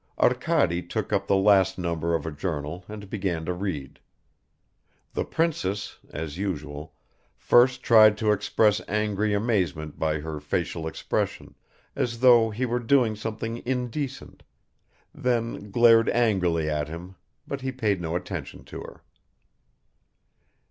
Arkady took up the last number of a journal and began to read. The princess, as usual, first tried to express angry amazement by her facial expression, as though he were doing something indecent, then glared angrily at him, but he paid no attention to her.